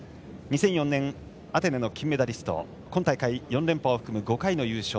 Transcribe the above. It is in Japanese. ２００４年アテネの金メダリスト今大会４連覇を含む５回の優勝